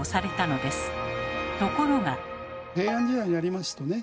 平安時代になりますとね